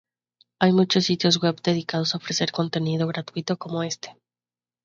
Hay muchos sitios web dedicados a ofrecer contenido gratuito como este.